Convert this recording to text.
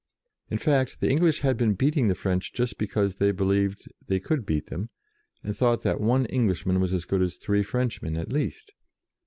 In fact, the English had been beating the French just because they believed they could beat them, and thought that one Englishman was as good as three French men at least.